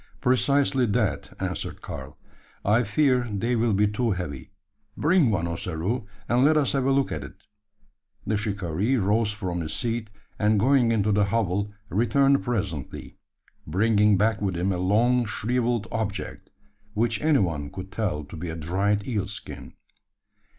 "Precisely that," answered Karl; "I fear they will be too heavy. Bring one, Ossaroo; and let us have a look at it." The shikaree rose from his seat; and going into the hovel, returned presently bringing back with him a long shrivelled object, which any one could tell to be a dried eel skin.